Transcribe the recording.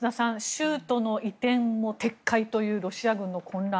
州都の移転も撤回というロシア軍の混乱